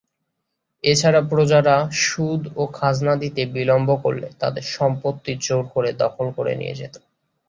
এছাড়া প্রজারা সুদ ও খাজনা দিতে বিলম্ব করলে তাদের সম্পত্তি জোর করে দখল করে নিয়ে যেত।